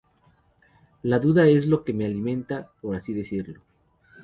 La duda es lo que me alimenta, por así decirlo.